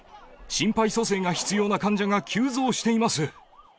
心肺蘇生が必要な患者が急増しています。